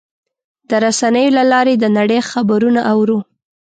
د رسنیو له لارې د نړۍ خبرونه اورو.